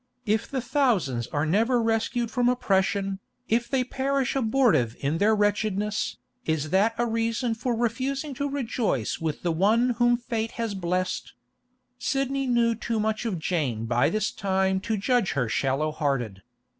If the thousands are never rescued from oppression, if they perish abortive in their wretchedness, is that a reason for refusing to rejoice with the one whom fate has blest? Sidney knew too much of Jane by this time to judge her shallow hearted.